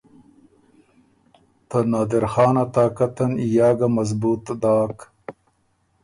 ته نادرخان ا طاقت ان یا ګۀ مضبُوط داک۔